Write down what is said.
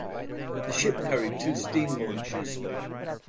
The ship carried two steam launches.